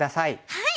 はい！